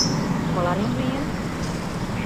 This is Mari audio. Мыланем лийын?